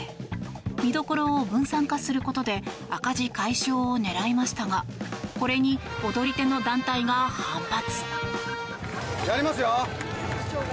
見どころを分散化することで赤字解消を狙いましたがこれに踊り手の団体が反発。